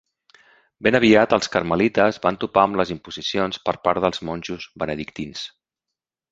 Ben aviat, els carmelites van topar amb les imposicions per part dels monjos benedictins.